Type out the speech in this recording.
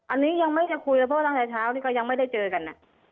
อันนี้ยังไม่ได้คุยเลยเพราะตั้งแต่เช้านี่ก็ยังไม่ได้เจอกัน